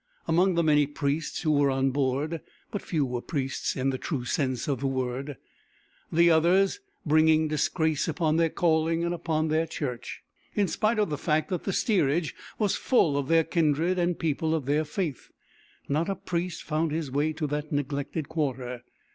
Among the many priests who were on board, but few were priests in the true sense of the word, the others bringing disgrace upon their calling and upon their Church. In spite of the fact that the steerage was full of their kindred and people of their faith, not a priest found his way to that neglected quarter.